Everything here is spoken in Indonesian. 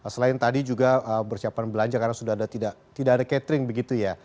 selain tadi juga persiapan belanja karena sudah tidak ada catering begitu ya